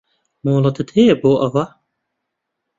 مۆڵەتت هەیە بۆ ئەوە؟